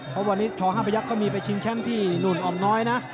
เพราะวันนี้ช๕พยักษ์ก็มีไปชิงแชมป์ที่นู่นอ่อมน้อยนะ